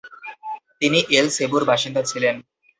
তিনি এল সেবুর বাসিন্দা ছিলেন।